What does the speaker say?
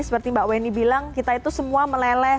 seperti mbak weni bilang kita itu semua meleleh